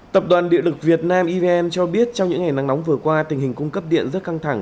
tập đoàn điện lực việt nam evn cho biết trong những ngày nắng nóng vừa qua tình hình cung cấp điện rất căng thẳng